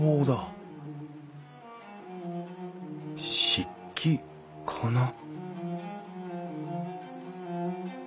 漆器かな？